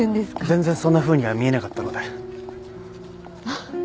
全然そんなふうには見えなかったので。